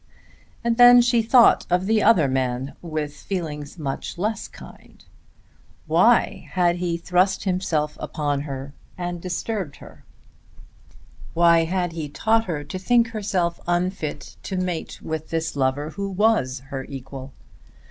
And then she thought of the other man, with feelings much less kind. Why had he thrust himself upon her life and disturbed her? Why had he taught her to think herself unfit to mate with this lover who was her equal?